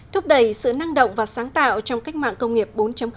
thúc đẩy sự năng động và sáng tạo trong cách mạng công nghiệp bốn